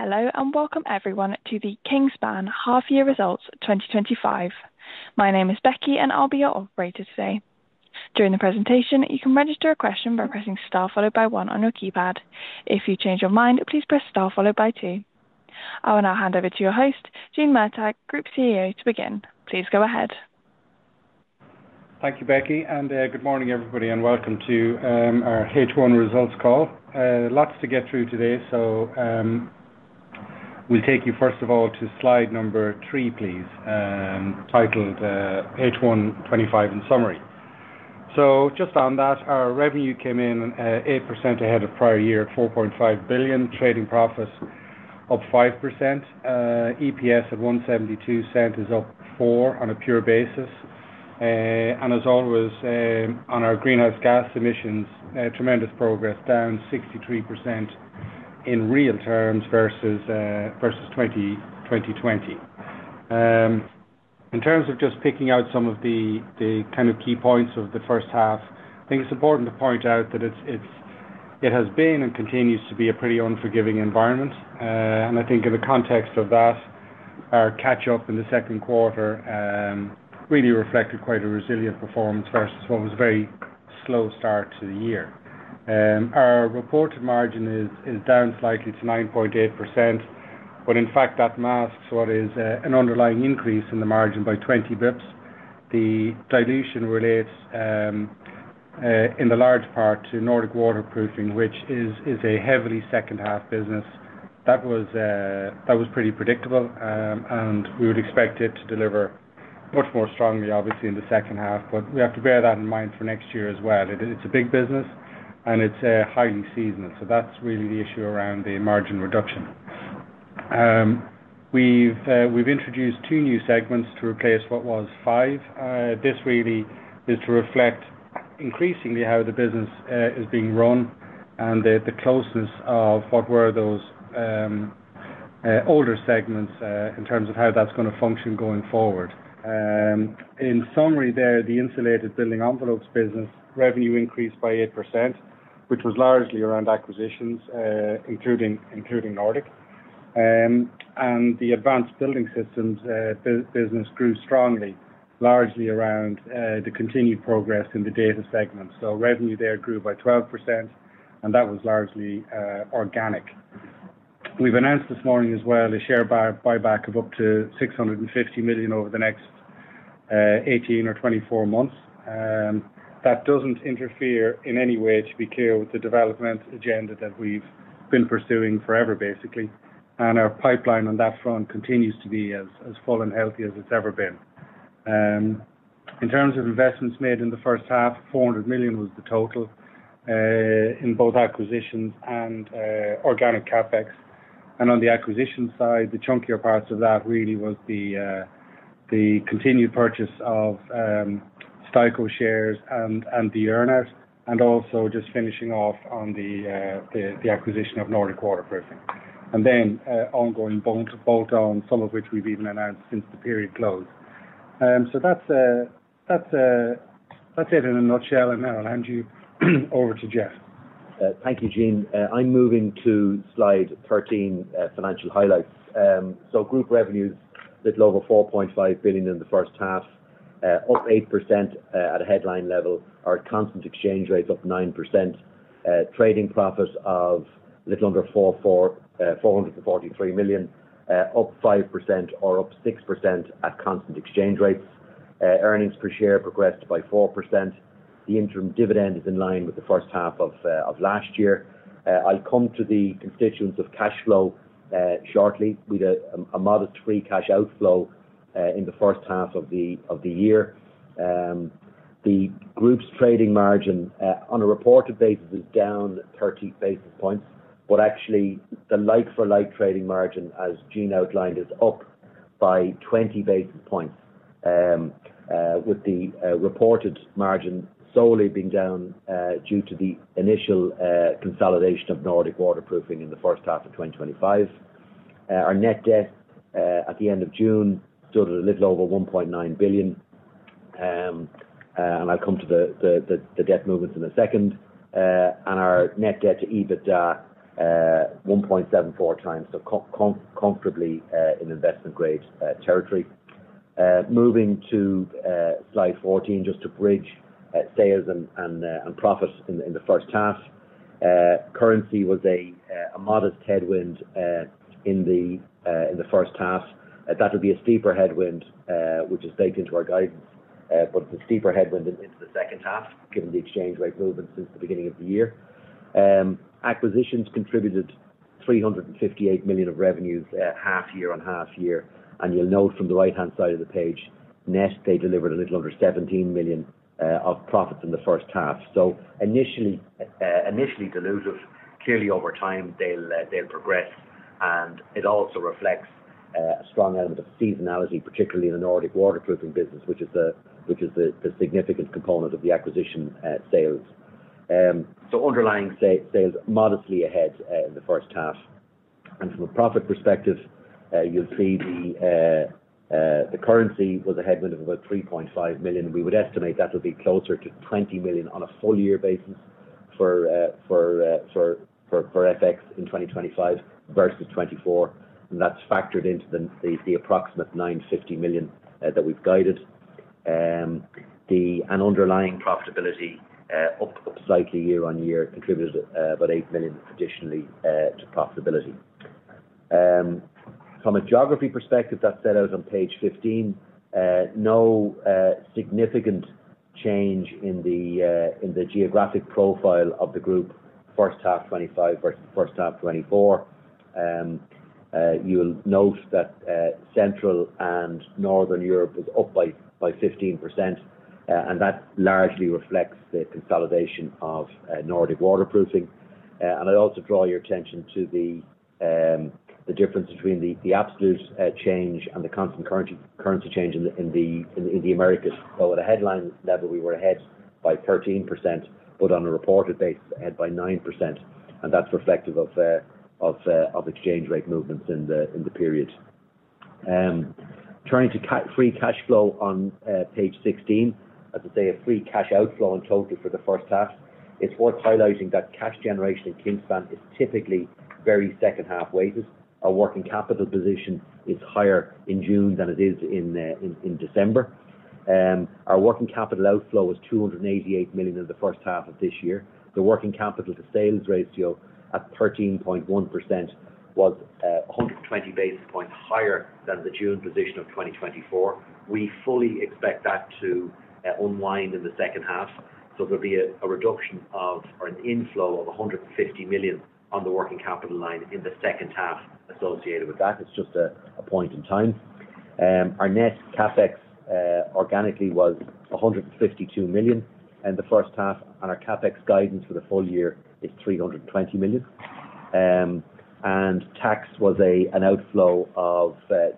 Hello and Welcome, everyone, to the Kingspan Half Year Results 2025. My name is Becky, and I'll be your operator today. During the presentation, you can register a question by pressing star followed by one on your keypad. If you change your mind, please press star followed by two. I will now hand over to your host, Gene Murtagh, Group CEO, to begin. Please go ahead. Thank you, Becky, and good morning, everybody, and Welcome to our H1 Results call. Lots to get through today, so we'll take you, first of all, to slide number three, please, titled H1 2025 in summary. Just on that, our revenue came in 8% ahead of prior year at 4.5 billion, trading profits up 5%, EPS at 1.72 is up 4% on a pure basis. As always, on our greenhouse gas emissions, tremendous progress, down 63% in real terms versus 2020. In terms of just picking out some of the kind of key points of the first half, I think it's important to point out that it has been and continues to be a pretty unforgiving environment. I think in the context of that, our catch-up in the second quarter really reflected quite a resilient performance versus what was a very slow start to the year. Our reported margin is down slightly to 9.8%, but in fact, that masks what is an underlying increase in the margin by 20 bps. The dilution relates, in large part, to Nordic Waterproofing, which is a heavily second-half business. That was pretty predictable, and we would expect it to deliver much more strongly, obviously, in the second half, but we have to bear that in mind for next year as well. It's a big business, and it's highly seasonal, so that's really the issue around the margin reduction. We've introduced two new segments to replace what was five. This really is to reflect increasingly how the business is being run and the closeness of what were those older segments in terms of how that's going to function going forward. In summary, there, the Insulated Panels business revenue increased by 8%, which was largely around acquisitions, including Nordic Waterproofing. The Advanced Building Systems business grew strongly, largely around the continued progress in the data center segment. Revenue there grew by 12%, and that was largely organic. We've announced this morning as well a share buyback of up to 650 million over the next 18 or 24 months. That doesn't interfere in any way, to be clear, with the development agenda that we've been pursuing forever, basically. Our pipeline on that front continues to be as full and healthy as it's ever been. In terms of investments made in the first half, 400 million was the total in both acquisitions and organic CapEx. On the acquisition side, the chunkier parts of that really was the continued purchase of Steico shares and the earnouts, and also just finishing off on the acquisition of Nordic Waterproofing. Then ongoing bolt-on, some of which we've even announced since the period closed. That's it in a nutshell, and then I'll hand you over to Geoff. Thank you, Gene. I'm moving to slide 13, financial highlights. Group revenues a bit lower, 4.5 billion in the first half, up 8% at a headline level. Our constant exchange rate's up 9%. Trading profits of a little under 443 million, up 5% or up 6% at constant exchange rates. Earnings Per Share progressed by 4%. The interim dividend is in line with the first half of last year. I'll come to the constituents of cash flow shortly with a modest free cash outflow in the first half of the year. The group's trading margin on a reported basis is down 30 basis points, but actually, the like for like trading margin, as Gene outlined, is up by 20 basis points, with the reported margin solely being down due to the initial consolidation of Nordic Waterproofing in the first half of 2025. Our net debt at the end of June stood a little over 1.9 billion, and I'll come to the debt movements in a second. Our net debt to EBITDA 1.74x, so comfortably in investment-grade territory. Moving to slide 14, just to bridge sales and profits in the first half, currency was a modest headwind in the first half. That would be a steeper headwind, which is baked into our guidance, but the steeper headwind into the second half, given the exchange rate movement since the beginning of the year. Acquisitions contributed 358 million of revenues half year on half year, and you'll note from the right-hand side of the page, net they delivered a little under 17 million of profits in the first half. Initially dilutive, clearly over time, they'll progress, and it also reflects a strong element of seasonality, particularly in the Nordic Waterproofing business, which is a significant component of the acquisition sales. Underlying sales modestly ahead in the first half. From a profit perspective, you'll see the currency was a headwind of about 3.5 million. We would estimate that would be closer to 20 million on a full-year basis for FX in 2025 versus 2024, and that's factored into the approximate 950 million that we've guided. Underlying profitability up slightly year on year contributed about 8 million additionally to profitability. From a geography perspective, that's set out on page 15. No significant change in the geographic profile of the group, first half 2025 versus first half 2024. You'll note that Central and Northern Europe are up by 15%, and that largely reflects the consolidation of Nordic Waterproofing. I'd also draw your attention to the difference between the absolute change and the constant currency change in the Americas. At a headline level, we were ahead by 13%, but on a reported basis, ahead by 9%, and that's reflective of exchange rate movements in the period. Trying to cut free cash flow on page 16, as I say, a free cash outflow in total for the first half, it's worth highlighting that cash generation at Kingspan is typically very second-half weighted. Our working capital position is higher in June than it is in December. Our working capital outflow was 288 million in the first half of this year. The working capital to sales ratio at 13.1% was 120 basis points higher than the June position of 2024. We fully expect that to unwind in the second half. There'll be a reduction of or an inflow of 150 million on the working capital line in the second half associated with that. It's just a point in time. Our net CapEx organically was 152 million in the first half, and our CapEx guidance for the full year is 320 million. Tax was an outflow of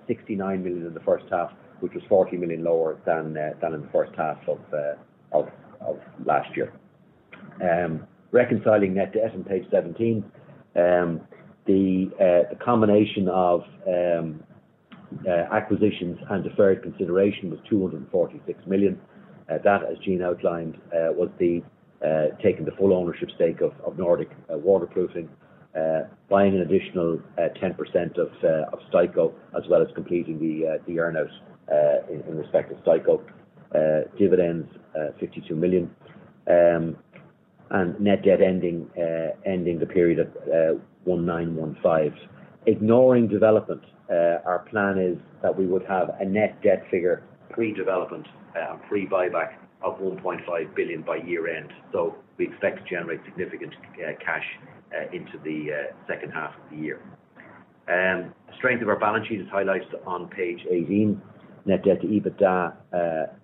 69 million in the first half, which was 40 million lower than in the first half of last year. Reconciling net debt on page 17, the combination of acquisitions and deferred consideration was 246 million. That, as Gene outlined, was taking the full ownership stake of Nordic Waterproofing, buying an additional 10% of Steico as well as completing the earnouts in respect of Steico. Dividends 52 million. Net debt ending the period of 1.915 billion. Ignoring development, our plan is that we would have a net debt figure pre-development and pre-buyback of 1.5 billion by year-end. We expect to generate significant cash into the second half of the year. The strength of our balance sheet is highlighted on page 18. Net debt to EBITDA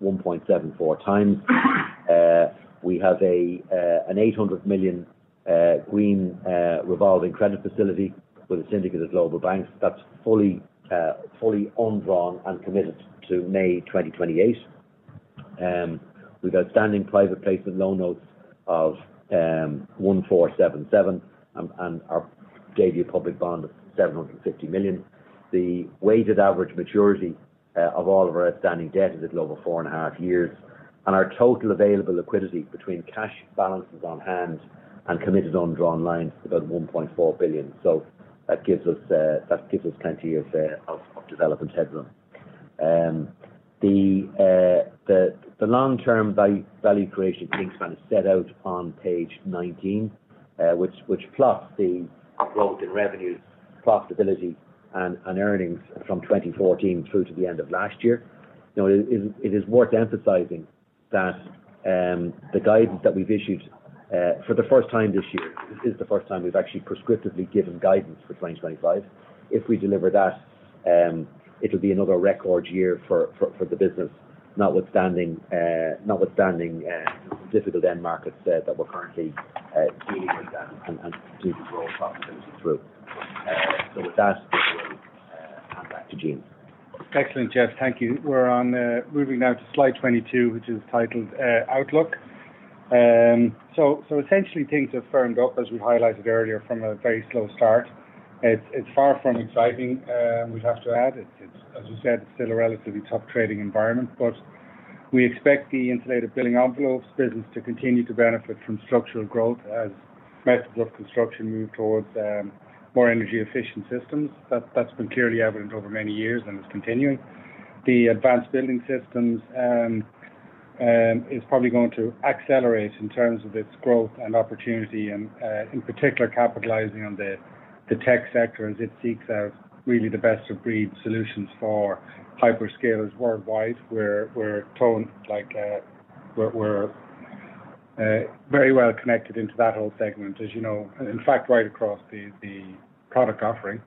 1.74x. We have an 800 million green revolving credit facility with a syndicate of global banks that's fully undrawn and committed to May 2028. We've outstanding private placement loan notes of 1.477 billion, and our daily public bond 750 million. The weighted average maturity of all of our outstanding debt is a little over four and a half years. Our total available liquidity between cash balances on hand and committed undrawn lines is about 1.4 billion. That gives us plenty of development headroom. The long-term value creation at Kingspan is set out on page 19, which plots the uplift in revenue, profitability, and earnings from 2014 through to the end of last year. Now, it is worth emphasizing that the guidance that we've issued for the first time this year is the first time we've actually prescriptively given guidance for 2025. If we deliver that, it'll be another record year for the business, notwithstanding difficult end markets that we're currently seeing. Back to Gene. Excellent, Geoff. Thank you. We're moving now to slide 22, which is titled Outlook. Essentially, things have firmed up, as we highlighted earlier, from a very slow start. It's far from exciting, we'd have to add. As you said, it's still a relatively tough trading environment, but we expect the insulated building envelopes business to continue to benefit from structural growth as massive construction moved towards more energy-efficient systems. That's been clearly evident over many years and is continuing. The advanced building systems is probably going to accelerate in terms of its growth and opportunity, in particular, capitalizing on the tech sector as it seeks out really the best-of-breed solutions for hyperscalers worldwide. We're told we're very well connected into that whole segment, as you know, in fact, right across the product offering.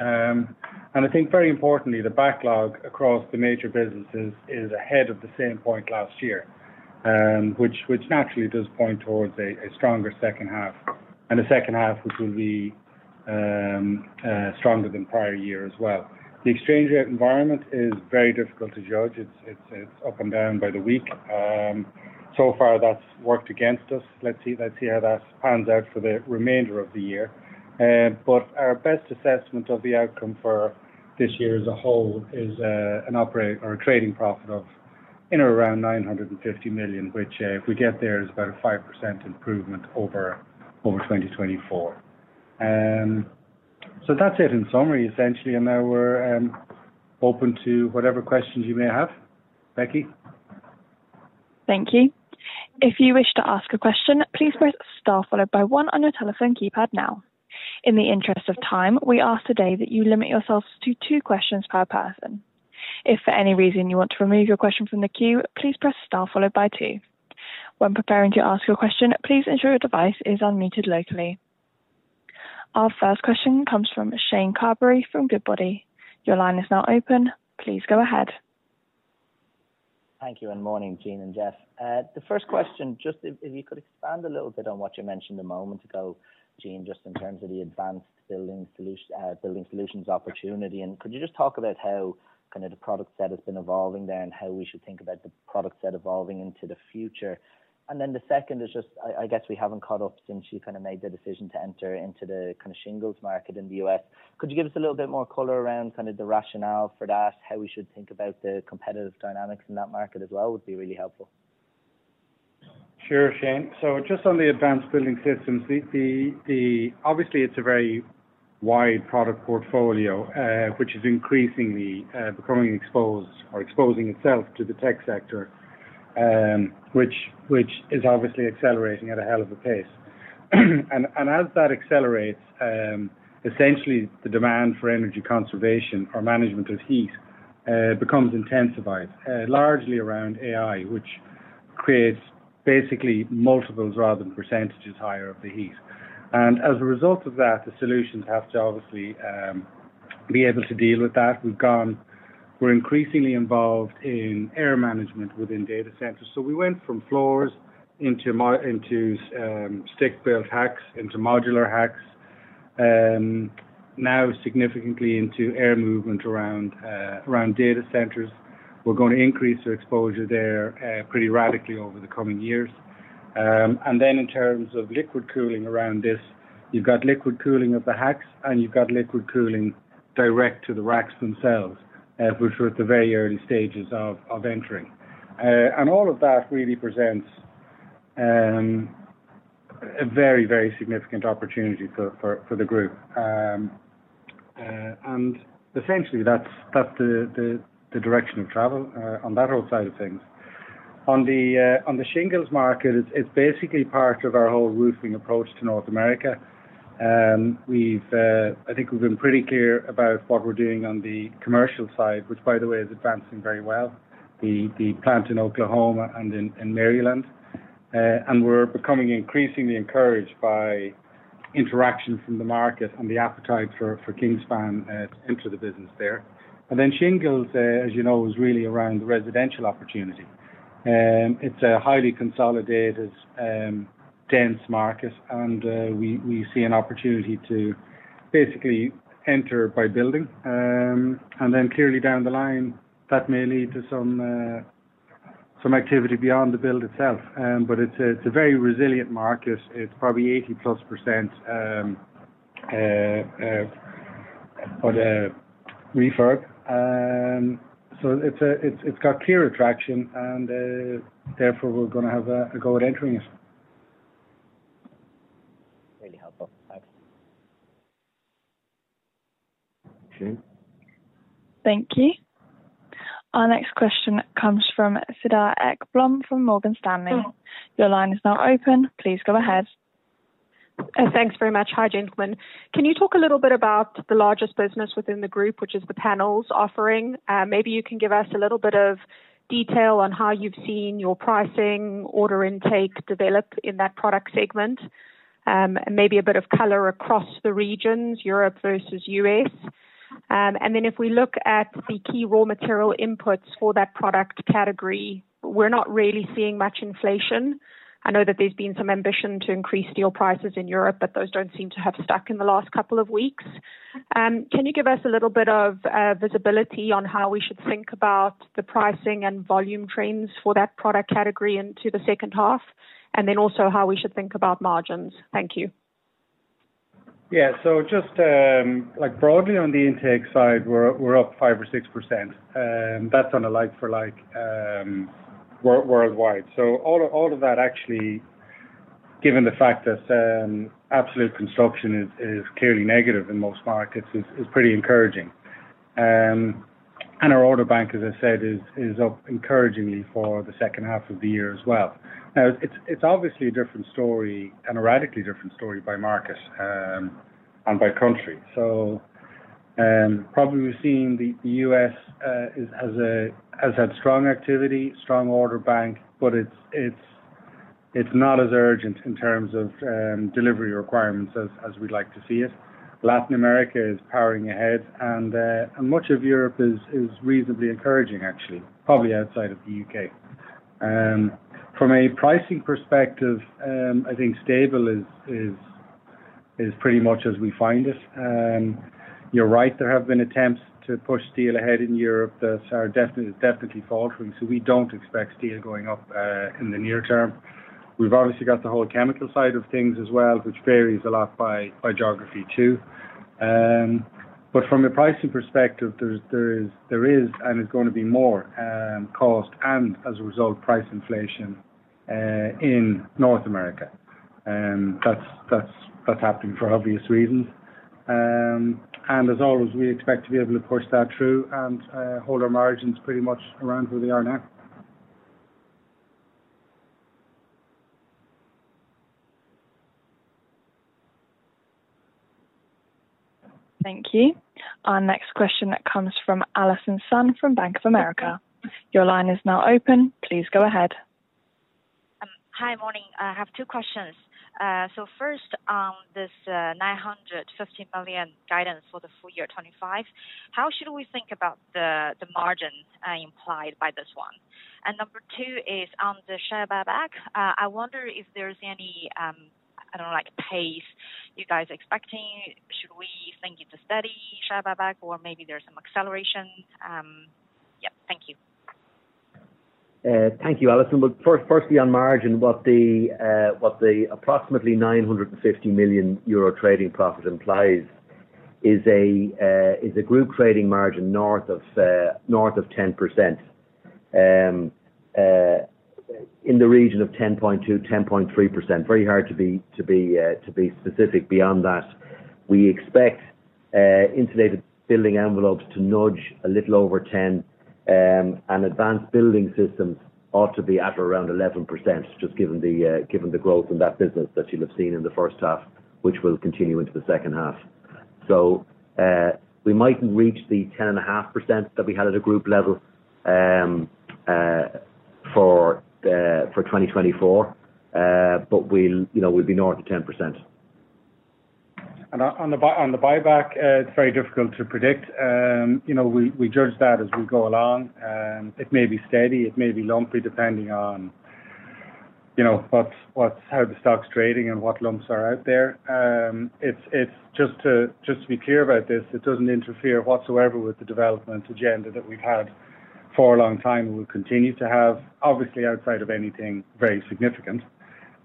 I think very importantly, the backlog across the major businesses is ahead of the same point last year, which naturally does point towards a stronger second half and a second half which will be stronger than prior year as well. The exchange rate environment is very difficult to judge. It's up and down by the week. So far, that's worked against us. Let's see how that pans out for the remainder of the year. Our best assessment of the outcome for this year as a whole is an operating or a trading profit of in or around 950 million, which if we get there is about a 5% improvement over 2024. That's it in summary, essentially. Now we're open to whatever questions you may have, Becky. Thank you. If you wish to ask a question, please press star followed by one on your telephone keypad now. In the interest of time, we ask today that you limit yourselves to two questions per person. If for any reason you want to remove your question from the queue, please press star followed by two. When preparing to ask your question, please ensure your device is unmuted locally. Our first question comes from Shane Carberry from Goodbody. Your line is now open. Please go ahead. Thank you. Good morning, Gene and Geoff. The first question, just if you could expand a little bit on what you mentioned a moment ago, Gene, in terms of the advanced building solutions opportunity. Could you just talk about how the product set has been evolving there and how we should think about the product set evolving into the future? The second is, I guess we haven't caught up since you made the decision to enter into the shingles market in the U.S. Could you give us a little bit more color around the rationale for that, how we should think about the competitive dynamics in that market as well would be really helpful. Sure, Shane. Just on the advanced building systems, obviously, it's a very wide product portfolio, which is increasingly becoming exposed or exposing itself to the tech sector, which is obviously accelerating at a hell of a pace. As that accelerates, essentially, the demand for energy conservation or management of heat becomes intensified, largely around AI, which creates basically multiples rather than percentages higher of the heat. As a result of that, the solutions have to obviously be able to deal with that. We're increasingly involved in air management within data centers. We went from floors into stick-built racks into modular racks, now significantly into air movement around data centers. We're going to increase our exposure there pretty radically over the coming years. In terms of liquid cooling around this, you've got liquid cooling of the racks and you've got liquid cooling direct to the racks themselves, which are at the very early stages of entering. All of that really presents a very, very significant opportunity for the group. Essentially, that's the direction of travel on that whole side of things. On the shingles market, it's basically part of our whole roofing approach to North America. I think we've been pretty clear about what we're doing on the commercial side, which, by the way, is advancing very well. The plant in Oklahoma and in Maryland. We're becoming increasingly encouraged by interaction from the market and the appetite for Kingspan to enter the business there. Shingles, as you know, is really around the residential opportunity. It's a highly consolidated, dense market, and we see an opportunity to basically enter by building. Clearly down the line, that may lead to some activity beyond the build itself. It's a very resilient market. It's probably 80+% of the refurb. It's got clear attraction, and therefore, we're going to have a go at entering it. Really helpful. Thanks. Thank you. Our next question comes from Cedar Ekblom from Morgan Stanley. Your line is now open. Please go ahead. Thanks very much. Hi, gentlemen. Can you talk a little bit about the largest business within the group, which is the panels offering? Maybe you can give us a little bit of detail on how you've seen your pricing order intake develop in that product segment, and maybe a bit of color across the regions, Europe versus U.S. If we look at the key raw material inputs for that product category, we're not really seeing much inflation. I know that there's been some ambition to increase steel prices in Europe, but those don't seem to have stuck in the last couple of weeks. Can you give us a little bit of visibility on how we should think about the pricing and volume trends for that product category into the second half, and also how we should think about margins? Thank you. Yeah. Just like broadly on the intake side, we're up 5% or 6%. That's on a like-for-like worldwide. All of that actually, given the fact that absolute construction is clearly negative in most markets, is pretty encouraging. Our order bank, as I said, is up encouragingly for the second half of the year as well. Now, it's obviously a different story, an erratically different story by market and by country. Probably we've seen the U.S. has had strong activity, strong order bank, but it's not as urgent in terms of delivery requirements as we'd like to see it. Latin America is powering ahead, and much of Europe is reasonably encouraging, actually, probably outside of the U.K.. From a pricing perspective, I think stable is pretty much as we find it. You're right. There have been attempts to push steel ahead in Europe that are definitely faltering. We don't expect steel going up in the near term. We've obviously got the whole chemical side of things as well, which varies a lot by geography, too. From a pricing perspective, there is, and is going to be more cost and, as a result, price inflation in North America. That's happening for obvious reasons. As always, we expect to be able to push that through and hold our margins pretty much around where they are now. Thank you. Our next question comes from Allison Sun from Bank of America. Your line is now open. Please go ahead. Hi, morning. I have two questions. First, on this 950 million guidance for the full year 2025, how should we think about the margin implied by this one? Number two is on the share buyback. I wonder if there's any, I don't know, like pace you guys are expecting. Should we think it's a steady share buyback or maybe there's some acceleration? Yeah. Thank you. Thank you, Allison. Firstly, on margin, what the approximately 950 million euro trading profit implies is a group trading margin north of 10% in the region of 10.2%, 10.3%. It is very hard to be specific beyond that. We expect insulated building envelopes to nudge a little over 10%, and advanced building systems ought to be at around 11%, just given the growth in that business that you'll have seen in the first half, which will continue into the second half. We mightn't reach the 10.5% that we had at a group level for 2024, but we'll be north of 10%. On the buyback, it's very difficult to predict. We judge that as we go along. It may be steady, it may be lumpy depending on how the stock's trading and what lumps are out there. Just to be clear about this, it doesn't interfere whatsoever with the development agenda that we've had for a long time and will continue to have, obviously, outside of anything very significant.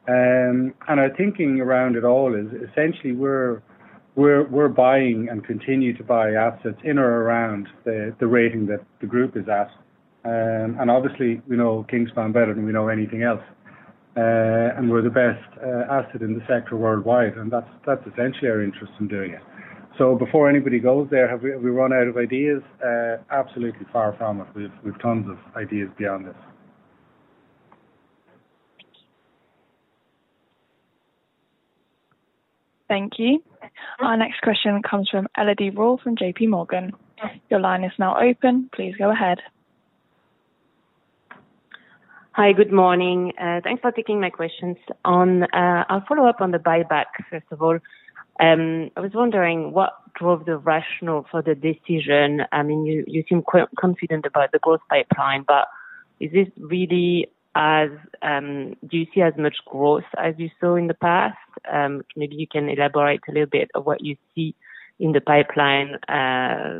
Our thinking around it all is, essentially, we're buying and continue to buy assets in or around the rating that the group is at. Obviously, we know Kingspan better than we know anything else. We're the best asset in the sector worldwide, and that's essentially our interest in doing it. Before anybody goes there, have we run out of ideas? Absolutely, far from it. We have tons of ideas beyond this. Thank you. Our next question comes from Elodie Rall from J.P. Morgan. Your line is now open. Please go ahead. Hi. Good morning. Thanks for taking my questions. I'll follow up on the buyback, first of all. I was wondering what drove the rationale for the decision. I mean, you seem quite confident about the growth pipeline, but is this really as do you see as much growth as you saw in the past? Maybe you can elaborate a little bit on what you see in the pipeline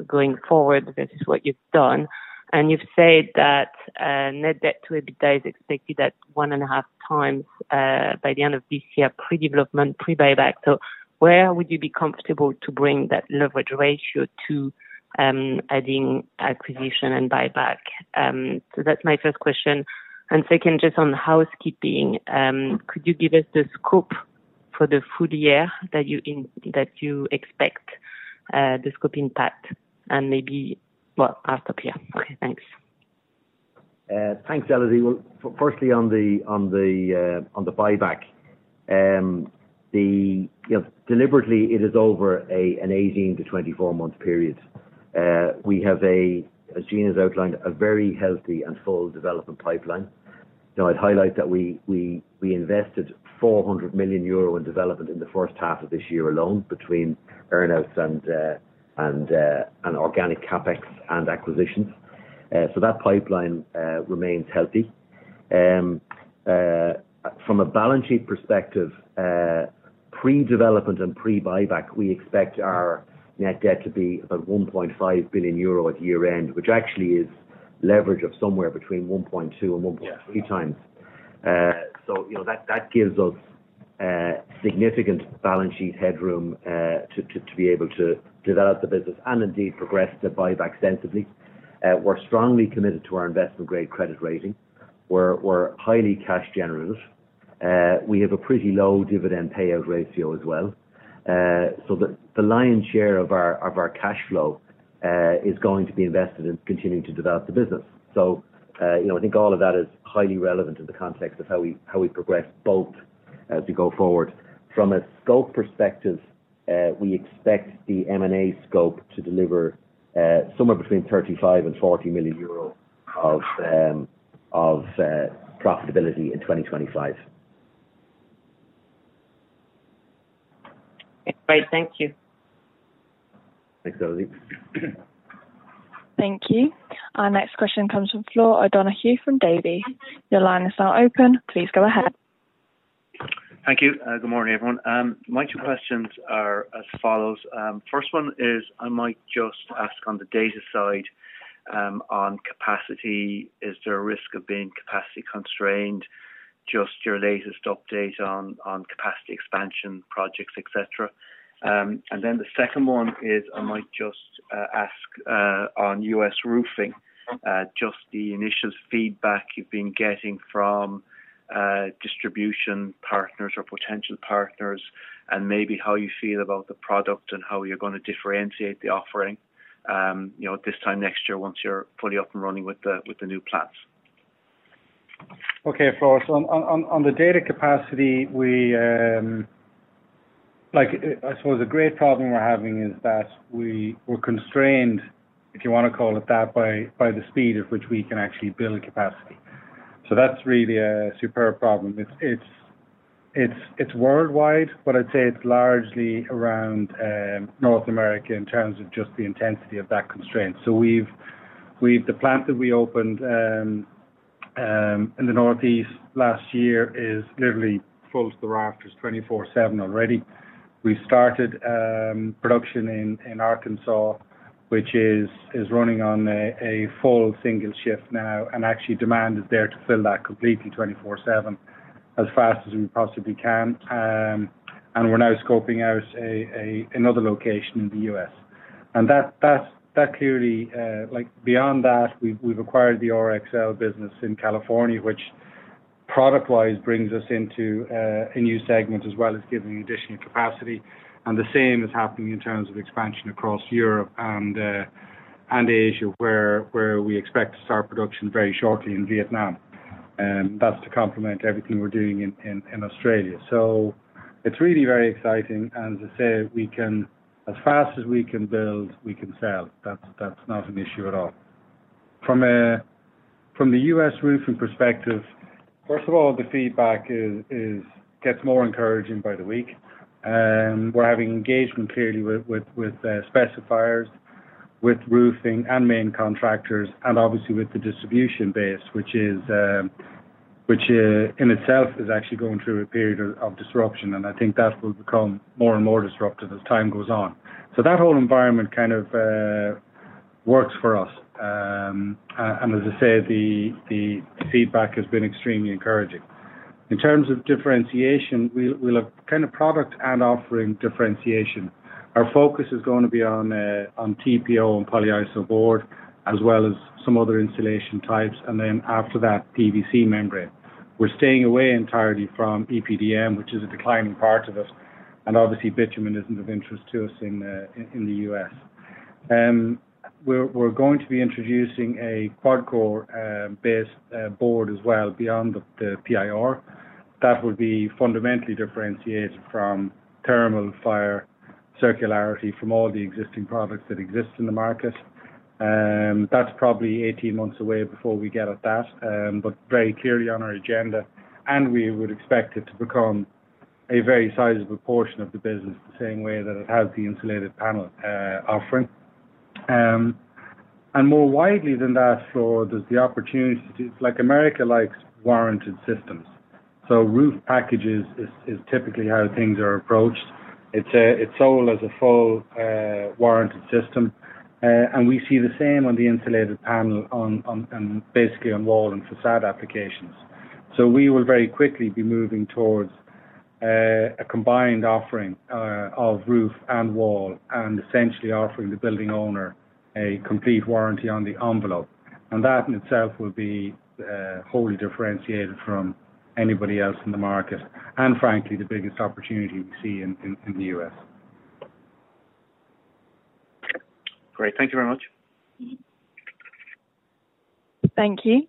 going forward versus what you've done. You've said that net debt to EBITDA is expected at 1.5x by the end of this year, pre-development, pre-buyback. Where would you be comfortable to bring that leverage ratio to adding acquisition and buyback? That's my first question. Just on housekeeping, could you give us the scope for the full year that you expect the scope intact and maybe our top year? Okay. Thanks. Thanks, Elodie. Firstly, on the buyback, deliberately, it is over an 18-24-month period. We have a, as Gene has outlined, a very healthy and full development pipeline. I'd highlight that we invested 400 million euro in development in the first half of this year alone between M&As and organic CapEx and acquisitions. That pipeline remains healthy. From a balance sheet perspective, pre-development and pre-buyback, we expect our net debt to be about 1.5 billion euro at year-end, which actually is leverage of somewhere between 1.2 and 1.3x. That gives us significant balance sheet headroom to be able to develop the business and indeed progress the buyback sensibly. We're strongly committed to our investment-grade credit rating. We're highly cash-generative. We have a pretty low dividend payout ratio as well. The lion's share of our cash flow is going to be invested in continuing to develop the business. I think all of that is highly relevant in the context of how we progress both as we go forward. From a scope perspective, we expect the M&A scope to deliver somewhere between 35 and 40 million euro of profitability in 2025. Great. Thank you. Thanks, Elodie. Thank you. Our next question comes from Flor O'Donoghue from Davy. Your line is now open. Please go ahead. Thank you. Good morning, everyone. My two questions are as follows. First one is, I might just ask on the data center side on capacity. Is there a risk of being capacity constrained? Just your latest update on capacity expansion projects, etc. The second one is, I might just ask on U.S. roofing, just the initial feedback you've been getting from distribution partners or potential partners, and maybe how you feel about the product and how you're going to differentiate the offering this time next year once you're fully up and running with the new plans. Okay, Flor. On the data capacity, I suppose the great problem we're having is that we're constrained, if you want to call it that, by the speed at which we can actually build capacity. That's really a super problem. It's worldwide, but I'd say it's largely around North America in terms of just the intensity of that constraint. The plant that we opened in the Northeast last year is literally full to the rafters 24/7 already. We started production in Arkansas, which is running on a full single shift now, and actually, demand is there to fill that completely 24/7 as fast as we possibly can. We're now scoping out another location in the U.S. Clearly, beyond that, we've acquired the RXL business in California, which product-wise brings us into a new segment as well as giving additional capacity. The same is happening in terms of expansion across Europe and Asia, where we expect to start production very shortly in Vietnam. That's to complement everything we're doing in Australia. It's really very exciting. As I said, as fast as we can build, we can sell. That's not an issue at all. From the U.S. roofing perspective, first of all, the feedback gets more encouraging by the week. We're having engagement clearly with specifiers, with roofing and main contractors, and obviously with the distribution base, which in itself is actually going through a period of disruption. I think that will become more and more disruptive as time goes on. That whole environment kind of works for us. As I said, the feedback has been extremely encouraging. In terms of differentiation, we'll have kind of product and offering differentiation. Our focus is going to be on TPO and polyiso boards as well as some other insulation types. After that, PVC membrane. We're staying away entirely from EPDM, which is a declining part of us. Obviously, bitumen isn't of interest to us in the U.S. We're going to be introducing a QuadCore-based board as well beyond the PIR. That will be fundamentally differentiated from thermal, fire, circularity from all the existing products that exist in the market. That's probably 18 months away before we get at that, but very clearly on our agenda. We would expect it to become a very sizable portion of the business the same way that it has the Insulated Panels offering. More widely than that, Flor, there's the opportunity to do like America likes warranted systems. Roof packages is typically how things are approached. It's sold as a full warranted system. We see the same on the insulated panel and basically on wall and facade applications. We will very quickly be moving towards a combined offering of roof and wall and essentially offering the building owner a complete warranty on the envelope. That in itself will be wholly differentiated from anybody else in the market and, frankly, the biggest opportunity we see in the U.S. Great. Thank you very much. Thank you.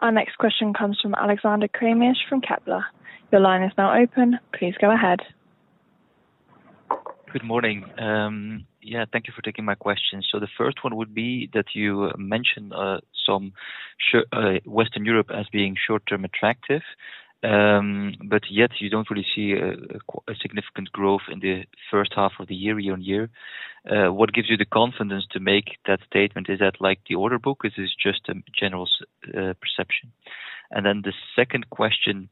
Our next question comes from Alexander Craeymeersch from Kepler. Your line is now open. Please go ahead. Good morning. Thank you for taking my questions. The first one would be that you mentioned some Western Europe as being short-term attractive, but yet you don't really see a significant growth in the first half of the year year-on-year. What gives you the confidence to make that statement? Is that like the order book? Is this just a general perception? The second question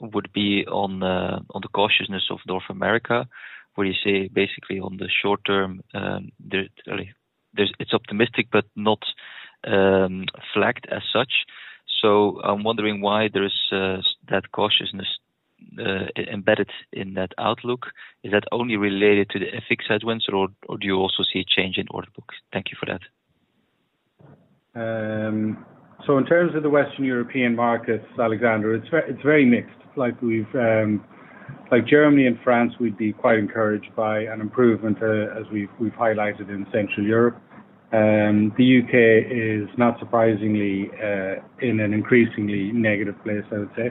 would be on the cautiousness of North America, where you say basically on the short term, it's optimistic but not flagged as such. I'm wondering why there is that cautiousness embedded in that outlook. Is that only related to the FX headwinds, or do you also see a change in order books? Thank you for that. In terms of the Western European markets, Alexander, it's very mixed. Like Germany and France, we'd be quite encouraged by an improvement, as we've highlighted in Central Europe. The U.K. is not surprisingly in an increasingly negative place, I would say.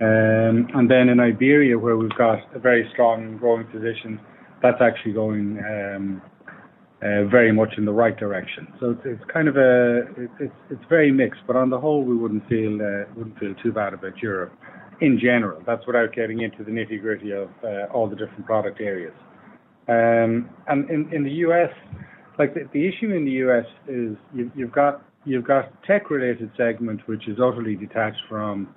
In Iberia, where we've got a very strong and growing position, that's actually going very much in the right direction. It's kind of very mixed. On the whole, we wouldn't feel too bad about Europe in general. That's without getting into the nitty-gritty of all the different product areas. In the U.S., the issue in the U.S. is you've got a tech-related segment, which is utterly detached from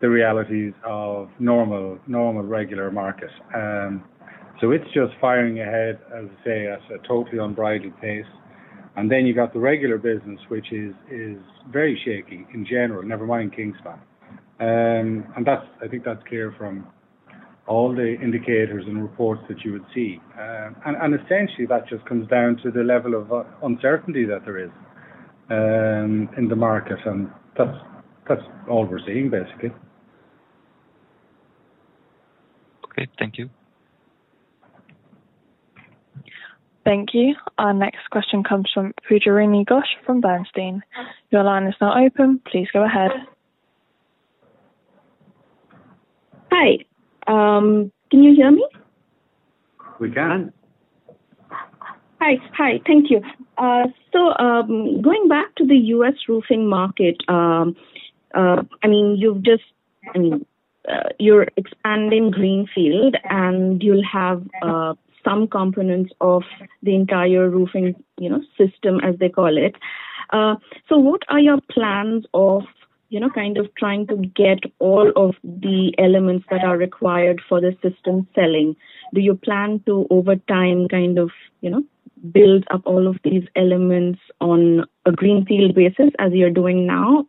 the realities of normal, normal regular markets. It's just firing ahead, as I say, at a totally unbridled pace. You've got the regular business, which is very shaky in general, never mind Kingspan. I think that's clear from all the indicators and reports that you would see. Essentially, that just comes down to the level of uncertainty that there is in the market. That's all we're seeing, basically. Great. Thank you. Thank you. Our next question comes from Pujarini Ghosh from Bernstein. Your line is now open. Please go ahead. Hi, can you hear me? We can. Thank you. Going back to the U.S. roofing market, you're expanding greenfield, and you'll have some components of the entire roofing system, as they call it. What are your plans of trying to get all of the elements that are required for the system selling? Do you plan to, over time, build up all of these elements on a greenfield basis as you're doing now?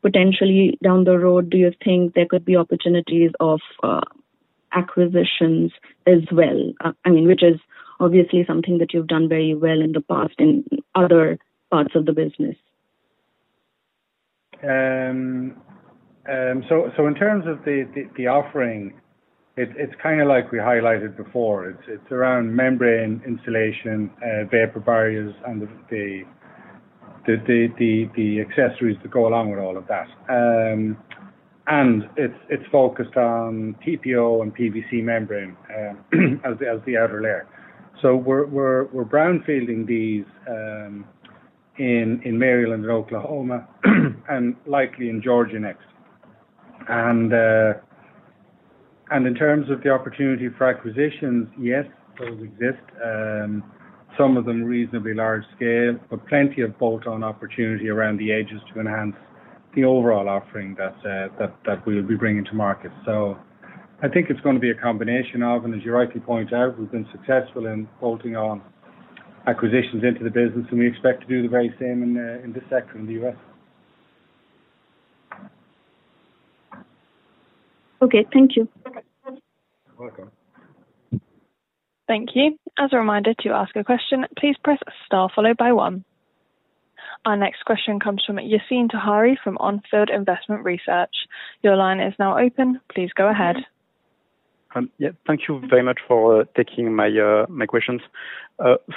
Potentially, down the road, do you think there could be opportunities of acquisitions as well? That is obviously something that you've done very well in the past in other parts of the business. In terms of the offering, it's kind of like we highlighted before. It's around membrane insulation, vapor barriers, and the accessories that go along with all of that. It's focused on TPO and PVC membrane as the outer layer. We're brownfielding these in Maryland and Oklahoma and likely in Georgia next. In terms of the opportunity for acquisitions, yes, those exist. Some of them are reasonably large scale, but plenty of bolt-on opportunity around the edges to enhance the overall offering that we'll be bringing to market. I think it's going to be a combination of, and as you rightly point out, we've been successful in bolting on acquisitions into the business, and we expect to do the very same in this sector in the U.S. Okay, thank you. Welcome. Thank you. As a reminder, to ask a question, please press star followed by one. Our next question comes from Yassine Touhri from OnField Investment Research. Your line is now open. Please go ahead. Thank you very much for taking my questions.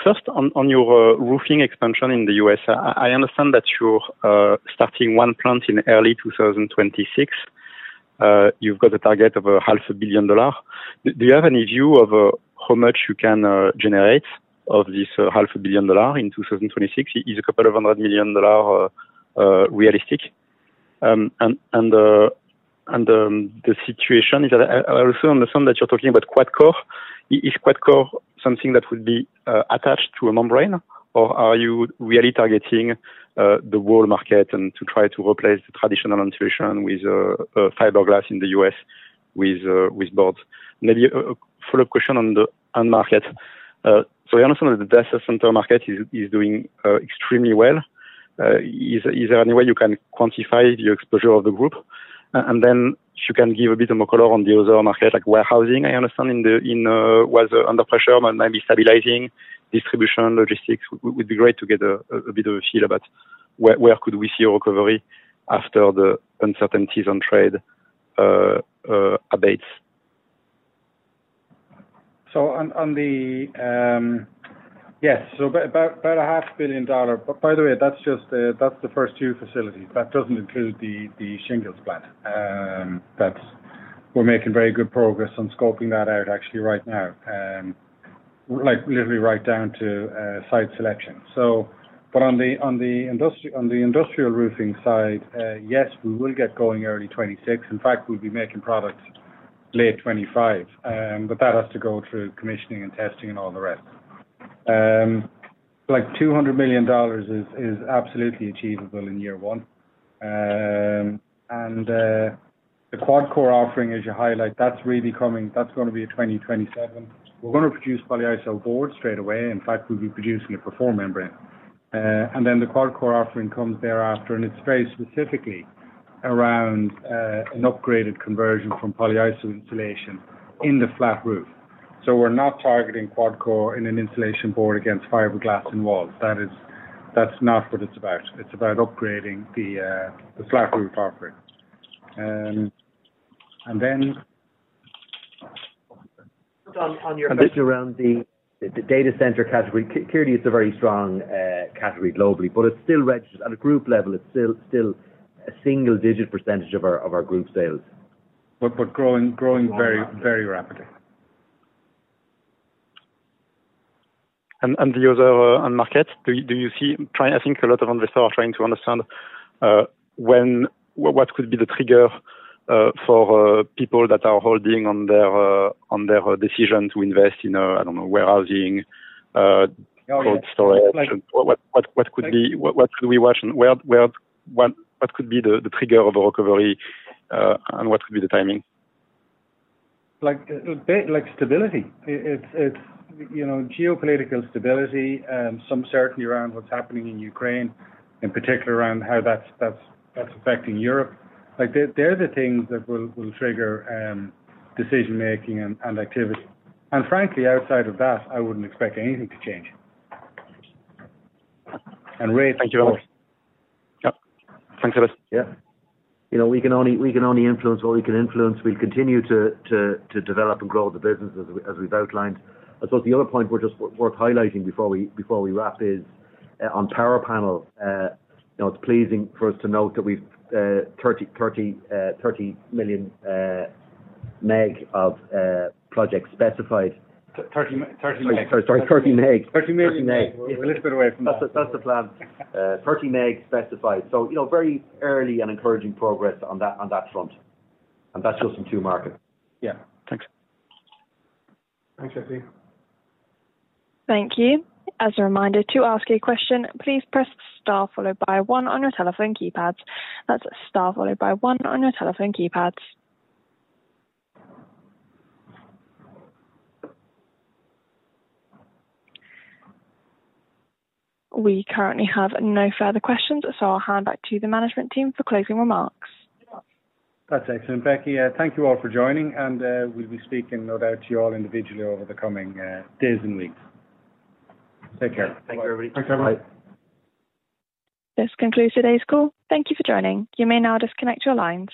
First, on your roofing expansion in the U.S., I understand that you're starting one plant in early 2026. You've got a target of $0.5 billion. Do you have any view of how much you can generate of this $0.5 billion in 2026? Is a couple of hundred million dollars realistic? The situation, I also understand that you're talking about QuadCore. Is QuadCore something that would be attached to a membrane, or are you really targeting the world market and trying to replace the traditional insulation with fiberglass in the U.S. with boards? Maybe a follow-up question on the market. I understand that the data center market is doing extremely well. Is there any way you can quantify the exposure of the group? If you can give a bit more color on the other market, like warehousing, I understand was under pressure, but maybe stabilizing distribution logistics. It would be great to get a bit of a feel about where we could see a recovery after the uncertainties on trade abate. Yes, about a half billion dollars. By the way, that's just the first two facilities. That doesn't include the shingles plant. We're making very good progress on scoping that out, actually, right now, literally right down to site selection. On the industrial roofing side, we will get going early 2026. In fact, we'll be making products late 2025. That has to go through commissioning and testing and all the rest. $200 million is absolutely achievable in year one. The QuadCore offering, as you highlight, that's really coming. That's going to be in 2027. We're going to produce polyiso boards straight away. In fact, we'll be producing it before membrane. The QuadCore offering comes thereafter, and it's very specifically around an upgraded conversion from polyiso insulation in the flat roof. We're not targeting QuadCore in an insulation board against fiberglass in walls. That's not what it's about. It's about upgrading the flat roof offering. On your question around the data center category, clearly, it's a very strong category globally, but it's still registered at a group level. It's still a single-digit % of our group sales. Growing very, very rapidly. Do you see the other market? I think a lot of investors are trying to understand what could be the trigger for people that are holding on their decision to invest in, I don't know, warehousing, cold storage. What could we watch, and what could be the trigger of a recovery, and what could be the timing? It's geopolitical stability and some certainty around what's happening in Ukraine, in particular around how that's affecting Europe. They're the things that will trigger decision-making and activity. Frankly, outside of that, I wouldn't expect anything to change. Thank you very much. Yeah, thanks, Ellis. Yeah. You know we can only influence what we can influence. We'll continue to develop and grow the business as we've outlined. I thought the other point worth highlighting before we wrap is on PowerPanel. It's pleasing for us to note that we've 30 million meg of projects specified. 30 meg. Sorry 30 meg. That's the plan. 30 meg specified. You know, very early and encouraging progress on that front. That's just in two markets. Yeah. Thanks. Thanks, Thank you. As a reminder, to ask a question, please press star followed by one on your telephone keypad. That's star followed by one on your telephone keypad. We currently have no further questions, so I'll hand back to the management team for closing remarks. That's excellent. Becky, thank you all for joining. We'll be speaking no doubt to you all individually over the coming days and weeks. Take care. Thank you, everybody. This concludes today's call. Thank you for joining. You may now disconnect your lines.